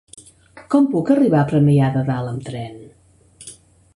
Com puc arribar a Premià de Dalt amb tren?